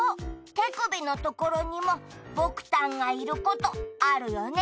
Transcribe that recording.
手首のところにも僕たんがいることあるよね？